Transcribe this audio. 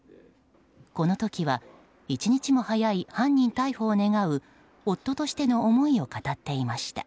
この時は一日も早い犯人逮捕を願う夫としての思いを語っていました。